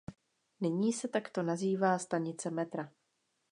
Nyní se takto nazývá stanice metra.